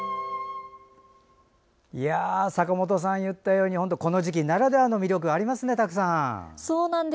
坂本さんが言ったようにこの時期ならではの魅力がありますね、たくさん。